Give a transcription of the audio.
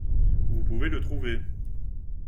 Vous pouvez le trouver.